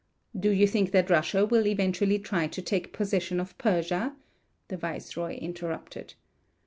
"Do you think that Russia will eventually try to take possession of Persia?" the viceroy interrupted.